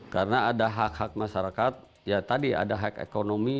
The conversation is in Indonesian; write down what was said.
karena ada hak hak masyarakat ya tadi ada hak ekonomi